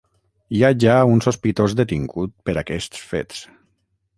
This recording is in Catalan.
Hi ha ja un sospitós detingut per aquests fets.